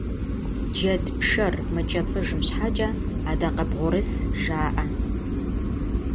Джэд пшэр мыкӏэцыжым щхьэкӏэ адакъэбгъурыс жаӏэ.